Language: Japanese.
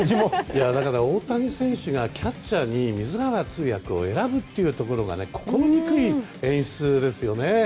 だから大谷選手がキャッチャーに水原通訳を選ぶところが憎い演出ですね。